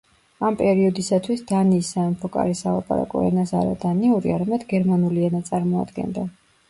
ამ პერიოდისათვის დანიის სამეფო კარის სალაპარაკო ენას არა დანიური, არამედ გერმანული ენა წარმოადგენდა.